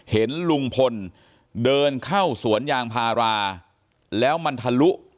เห็นลุงพลเดินเข้าสวนยางพาราแล้วมันทะลุ